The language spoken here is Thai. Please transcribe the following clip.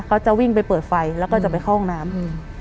เขาจะวิ่งไปเปิดไฟแล้วก็จะไปเข้าห้องน้ำอืม